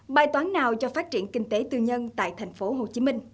bài toán nào cho phát triển kinh tế tư nhân tại tp hcm